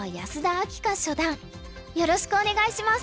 王銘九段よろしくお願いします。